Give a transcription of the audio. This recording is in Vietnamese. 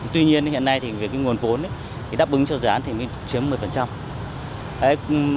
tuy nhiên hiện nay nguồn vốn đáp ứng cho dự án mới chiếm một mươi